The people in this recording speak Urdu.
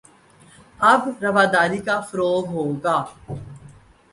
اب رواداری کا فروغ ہو گا